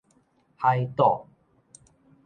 海肚